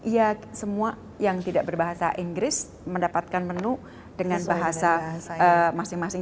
ya semua yang tidak berbahasa inggris mendapatkan menu dengan bahasa masing masing